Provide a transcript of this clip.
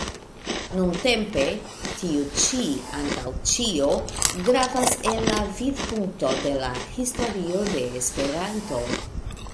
Nuntempe tiu ĉi antaŭ ĉio gravas el la vidpunkto de la historio de Esperanto.